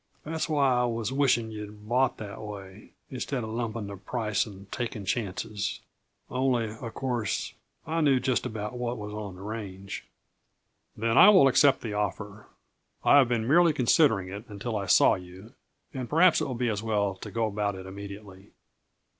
That's why I was wishing you'd bought that way, instead uh lumping the price and taking chances. Only, uh course, I knew just about what was on the range." "Then I will accept the offer. I have been merely considering it until I saw you. And perhaps it will be as well to go about it immediately."